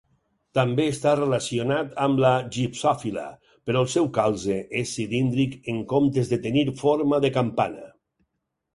També està relacionat amb la "gipsòfila", però el seu calze és cilíndric en comptes de tenir forma de campana.